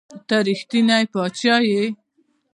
ته رښتونے باچا ئې